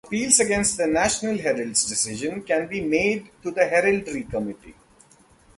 Appeals against the National Herald's decisions can be made to the Heraldry Committee.